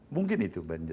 mungkin itu banyaknya ya